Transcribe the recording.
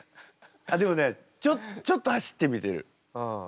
あっでもねちょちょっと走ってみてる。